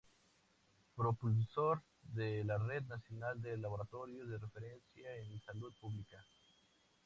Propulsor de la Red Nacional de Laboratorios de Referencia en Salud Pública.